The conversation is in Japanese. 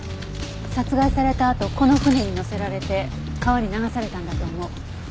殺害されたあとこの舟に乗せられて川に流されたんだと思う。